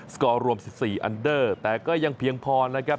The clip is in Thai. สกอร์รวม๑๔อันเดอร์แต่ก็ยังเพียงพอนะครับ